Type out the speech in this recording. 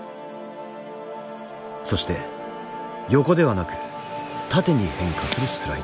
そして横ではなく縦に変化するスライダー。